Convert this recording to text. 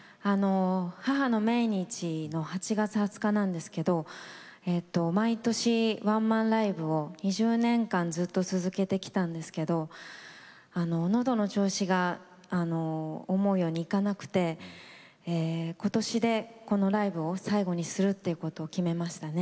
母の命日の８月２０日なんですけど毎年ワンマンライブを２０年間ずっと続けてきたんですけどのどの調子が思うようにいかなくて今年でこのライブを最後にするっていうことを決めましたね。